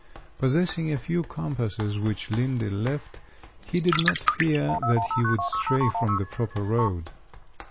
Possessing a few compasses which Linde left, he did not fear that he would stray from the proper road.